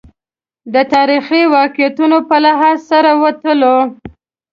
د تاریخي واقعیتونو په لحاظ سره وتلو.